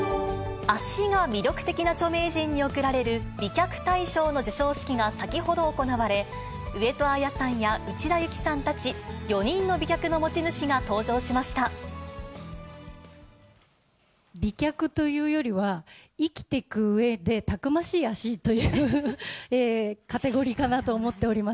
脚が魅力的な著名人に贈られる、美脚対象の授賞式が先ほど行われ、上戸彩さんや内田有紀さんたち、４人の美脚の持ち主が登場しまし美脚というよりは、生きていくうえでたくましい脚というカテゴリーかなと思っており